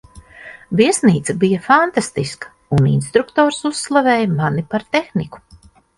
Viesnīca bija fantastiska, un instruktors uzslavēja mani par tehniku.